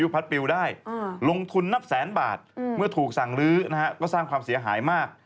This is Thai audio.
เป็นเงินเท่าไหร่ก็คิดไป